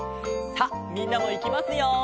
さあみんなもいきますよ！